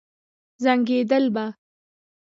زنګېدل به.